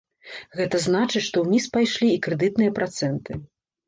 Гэта значыць, што ўніз пайшлі і крэдытныя працэнты.